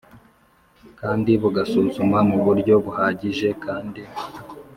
kandi bugasuzuma mu buryo buhagije kandi